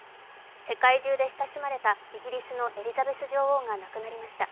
世界中で親しまれたイギリスのエリザベス女王が亡くなりました。